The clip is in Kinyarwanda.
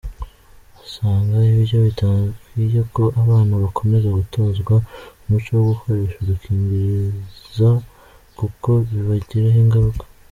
Asanga ibyo bidakwiye ko abana bakomeza gutozwa umuco wo gukoresha udukingiriza kuko bibagiraho ingaruka.